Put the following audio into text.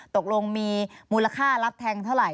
ตกลงมีมูลค่ารับแทงเท่าไห